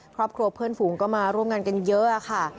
ครอบครัวเพื่อนฝูงก็มาร่วมงานกันเยอะค่ะ